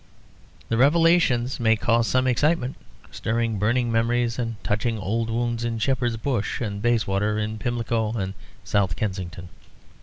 The revelations may cause some excitement, stirring burning memories and touching old wounds in Shepherd's Bush and Bayswater, in Pimlico and South Kensington.